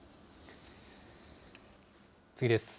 次です。